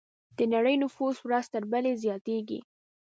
د نړۍ نفوس ورځ تر بلې زیاتېږي.